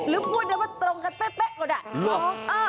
หรือพูดได้ว่าตรงกันเป๊ะกว่าด้าน